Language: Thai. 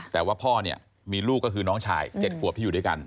แต่ว่าพ่อเนี่ยมีลูกก็คือน้องชาย๗ขวบที่อยู่ด้วยกัน